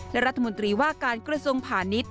และรัฐมนตรีว่าการกระทรวงพาณิชย